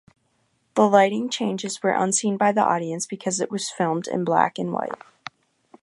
The lighting changes were unseen by the audience because it was filmed in black-and-white.